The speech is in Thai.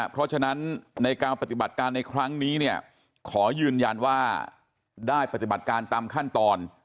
เพราะฉะนั้นในการปฏิบัติการในครั้งนี้เนี่ยขอยืนยันว่าได้ปฏิบัติการตามขั้นตอน